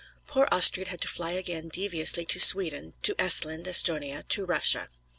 Poor Astrid had to fly again deviously to Sweden, to Esthland (Esthonia), to Russia.